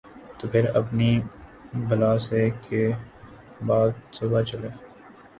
تو پھر اپنی بلا سے کہ باد صبا چلے۔